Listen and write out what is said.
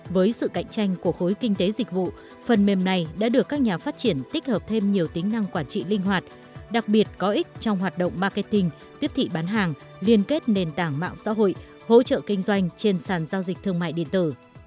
với sự cạnh tranh của khối kinh tế dịch vụ phần mềm này đã được các nhà phát triển tích hợp thêm nhiều tính năng quản trị linh hoạt đặc biệt có ích trong hoạt động marketing tiếp thị bán hàng liên kết nền tảng mạng xã hội hỗ trợ kinh doanh trên sàn giao dịch thương mại điện tử